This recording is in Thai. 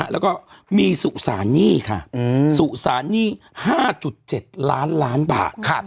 แล้วก็มีสุสานหนี้ค่ะสุสานหนี้๕๗ล้านล้านบาท